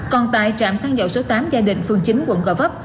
còn tại trạm săn dầu số tám gia định phường chín quận gò vấp